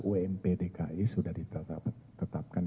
ump dki sudah ditetapkan